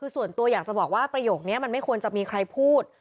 คือส่วนตัวอยากจะบอกว่าประโยคนี้มันไม่ควรจะมีใครพูด